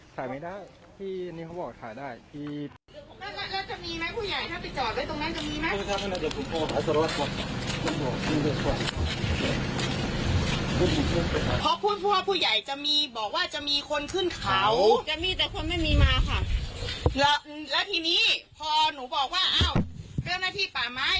พอหนูบอกว่าเอ้าเคลื่อนนาทีป่าม้าย